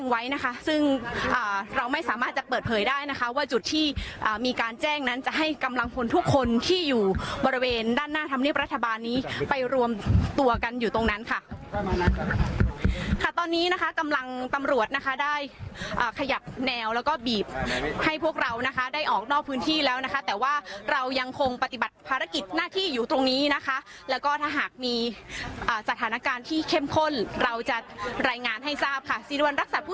ไว้นะคะซึ่งเราไม่สามารถจะเปิดเผยได้นะคะว่าจุดที่มีการแจ้งนั้นจะให้กำลังพลทุกคนที่อยู่บริเวณด้านหน้าธรรมเนียบรัฐบาลนี้ไปรวมตัวกันอยู่ตรงนั้นค่ะตอนนี้นะคะกำลังตำรวจนะคะได้ขยับแนวแล้วก็บีบให้พวกเรานะคะได้ออกนอกพื้นที่แล้วนะคะแต่ว่าเรายังคงปฏิบัติภารกิจหน้าที่อยู่ตรงนี้นะคะแล้วก็ถ้าหากมีสถานการณ์ที่เข้มข้นเราจะรายงานให้ทราบค่ะ